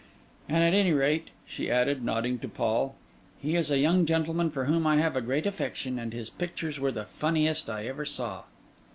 And at any rate,' she added, nodding to Paul, 'he is a young gentleman for whom I have a great affection, and his pictures were the funniest I ever saw.